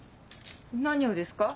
何をですか？